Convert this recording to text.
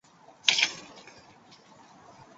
伊顿公学以其古老的传统和特别的校服而闻名。